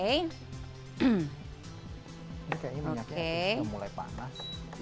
ini kayaknya minyaknya sudah mulai panas